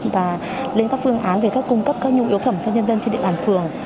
và lên các phương án về các cung cấp các nhu yếu phẩm cho nhân dân trên địa bàn phường